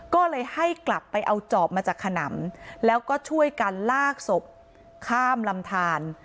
ก็เลยให้กลับไปเอาจอบมาจากขนำแล้วก็ช่วยกันลากศพข้ามลำทาน